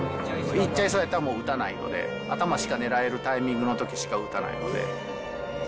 いっちゃいそうだったら、もう撃たないので、頭しか狙えるタイミングのときしか撃たないので。